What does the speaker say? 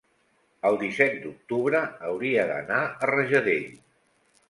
el disset d'octubre hauria d'anar a Rajadell.